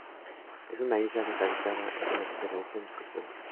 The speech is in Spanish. Es una isla deshabitada en la que se realizan excursiones.